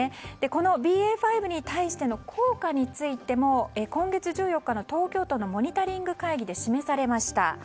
このＢＡ．５に対しての効果についても今月１４日の東京都のモニタリング会議で示されました。